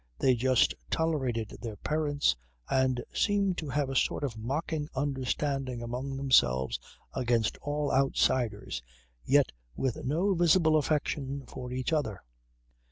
They just tolerated their parents and seemed to have a sort of mocking understanding among themselves against all outsiders, yet with no visible affection for each other.